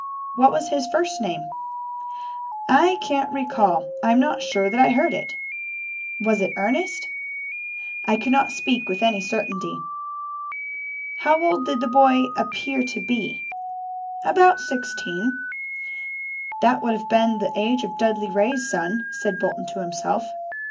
"What was his first name?" "I can't recall. I am not sure that I heard it." "Was it Ernest?" "I cannot speak with any certainty." "How old did the boy appear to be?" "About sixteen." "That would have been the age of Dudley Ray's son," said Bolton to himself.